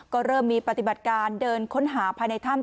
ก็เริ่มมีปฏิบัติการเดินค้นหาภายในถ้ำ